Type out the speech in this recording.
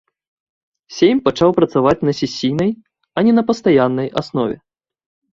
Сейм пачаў працаваць на сесійнай, а не на пастаяннай аснове.